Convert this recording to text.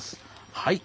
はい。